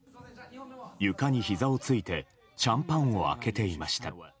床にひざをついてシャンパンを開けていました。